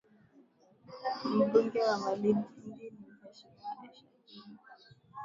Mbunge wa Malindi ni Mheshimiwa Aisha Jumwa.